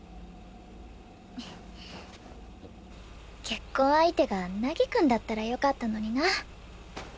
結婚相手が凪くんだったらよかったのにな。